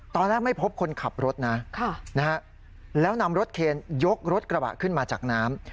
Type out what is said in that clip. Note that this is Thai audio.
ตอนแรกไม่พบคนขับรถนะแล้วนำรถเคนยกรถกระบะขึ้นมาจากน้ำ